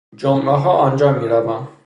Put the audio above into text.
جمعهها آنجا می روم.